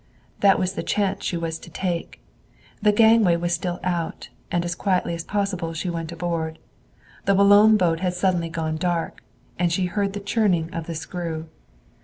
That was the chance she was to take. The gangway was still out, and as quietly as possible she went aboard. The Boulogne boat had suddenly gone dark, and she heard the churning of the screw.